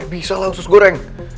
bisa lah usus goreng